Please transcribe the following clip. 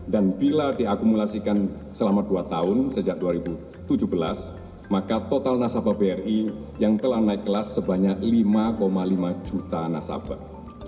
dan bila diakumulasikan selama dua tahun sejak dua ribu tujuh belas maka total nasabah bri yang telah naik kelas sebanyak lima lima juta nasabah